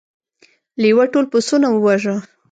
لیوه ټول پسونه وواژه.